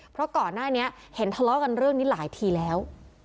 เพราะก่อนหน้านี้เห็นทะเลาะกันเรื่องนี้หลายทีแล้ว